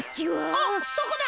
おっそこだ。